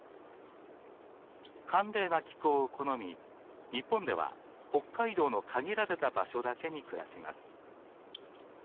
寒冷な気候を好み日本では北海道の限られた場所だけに暮らします。